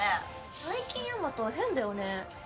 最近大和変だよね